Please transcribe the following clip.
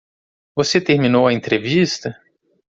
Você terminou a entrevista?